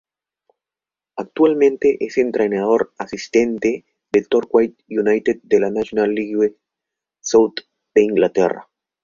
Actualmente es entrenador asistente del Torquay United de la National League South de Inglaterra.